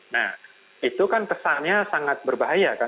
nah itu kan kesannya sangat berbahaya kan